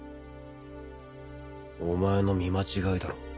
お前の見間違いだろ。